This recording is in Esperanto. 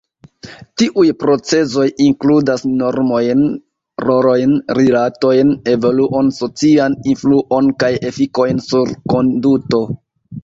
Tiuj procezoj inkludas normojn, rolojn, rilatojn, evoluon, socian influon kaj efikojn sur konduto.